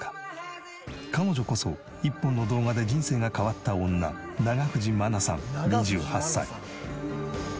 彼女こそ１本の動画で人生が変わった女永藤まなさん２８歳。